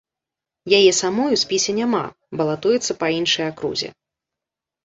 Яе самой у спісе няма, балатуецца па іншай акрузе.